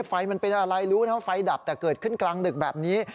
มันเป็นอะไรรู้นะว่าไฟดับแต่เกิดขึ้นกลางดึกแบบนี้